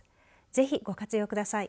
ぜひ、ご活用ください。